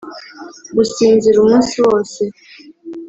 gusinzira umunsi wose.